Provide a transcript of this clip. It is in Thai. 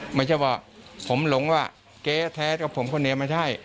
หมายถึงว่าผมลงว่าเก๊แท้ก็ผมคนเนี้ยไม่ใช่